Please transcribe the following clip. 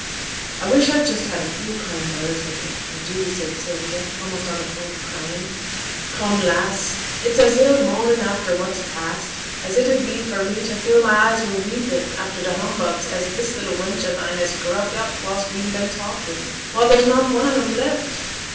'I wish I'd just had a few kind words wi' him, I do,' said Sylvia, almost on the point of crying. 'Come, lass, it's as ill moanin' after what's past as it 'ud be for me t' fill my eyes wi' weepin' after t' humbugs as this little wench o' thine has grubbed up whilst we'n been talkin'. Why, there's not one on 'em left!'